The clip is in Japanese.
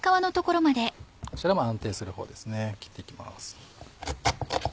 こちらも安定する方ですね切っていきます。